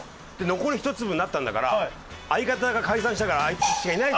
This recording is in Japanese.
残り１粒になったんだから相方が解散したからあいつしかない。